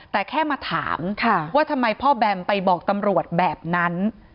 แต่แค่มาถามว่าทำไมพ่อแบมไปบอกตำรวจแบบนั้น